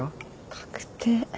確定。